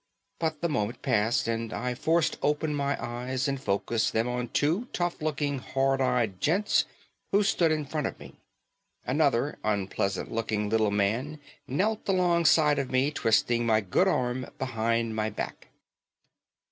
But the moment passed and I forced open my eyes and focused them on two tough looking, hard eyed gents who stood in front of me. Another unpleasant looking little man knelt along side of me, twisting my good arm behind my back.